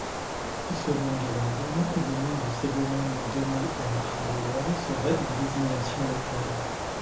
Selon Delandine, le nom de Ségomon donné au Mars gaulois serait une désignation locale.